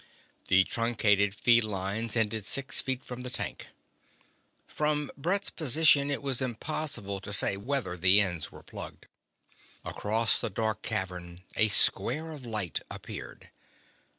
The truncated feed lines ended six feet from the tank. From Brett's position, it was impossible to say whether the ends were plugged. Across the dark cavern a square of light appeared.